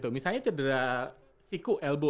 misalnya cedera siku elbow